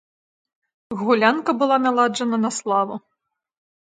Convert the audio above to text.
Гулянка была наладжана на славу.